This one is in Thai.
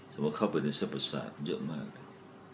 จะมาเข้าไปในเส้นประสานเยอะมาก